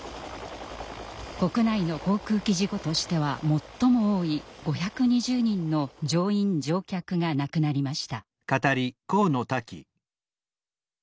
国内の航空機事故としては最も多い５２０人の乗員乗客が亡くなりました。